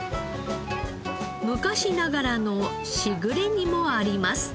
昔ながらのしぐれ煮もあります。